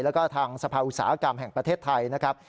แล้วก็ทางสภาอุตสาหกรรมแห่งประเทศไทยนะครับ